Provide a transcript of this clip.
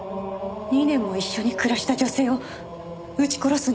２年も一緒に暮らした女性を撃ち殺すんですか？